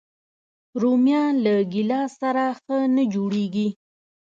رومیان له ګیلاس سره ښه نه جوړيږي